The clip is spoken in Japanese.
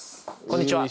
こんにちは。